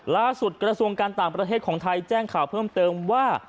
กระทรวงการต่างประเทศของไทยแจ้งข่าวเพิ่มเติมว่า